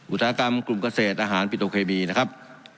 อุตสาหกรรมกลุ่มเกษตรอาหารปิโตเคมีนะครับ